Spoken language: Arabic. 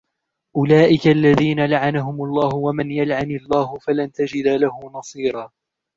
أولئك الذين لعنهم الله ومن يلعن الله فلن تجد له نصيرا